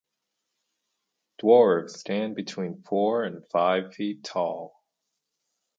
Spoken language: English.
Dwarves stand between four and five feet tall.